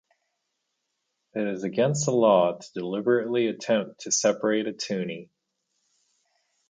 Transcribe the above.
It is against the law to deliberately attempt to separate a toonie.